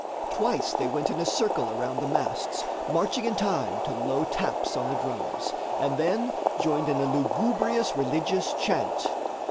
Twice they went in a circle around the masts, marching in time to low taps on the drums, and then joined in a lugubrious religious chant.